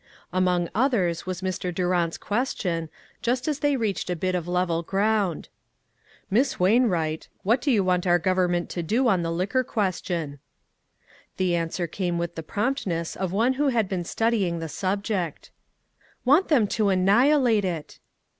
Among others was Mr. Durant's ques tion, just as they reached a bit of level ground :" Miss Wainwright, what do you want our government to do on the liquor ques tion ?" The answer came with the promptness of one who had been studying the subject. " Want them to annihilate it."